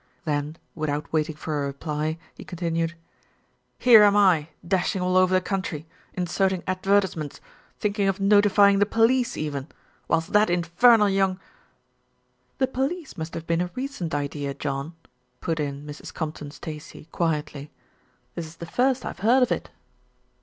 Then, without waiting for a reply, he continued, "Here am I dashing all over the country, inserting advertise ments, thinking of notifying the police even, whilst that infernal young " "The police must have been a recent idea, John," put in Mrs. Compton Stacey, quietly. "This is the first I have heard of it."